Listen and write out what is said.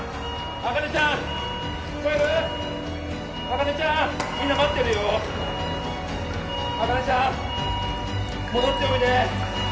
明音ちゃん戻っておいで！